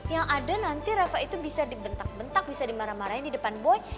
yang ada nanti reva itu bisa dibentak bentak bisa dimarah marahin di depan boy